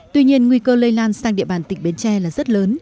tuy nhiên nguy cơ lây lan sang địa bàn tỉnh bến tre là rất lớn